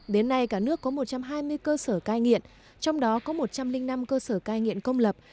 đến nay cả nước có một trăm hai mươi cơ sở cai nghiện trong đó có một trăm linh năm cơ sở cai nghiện công lập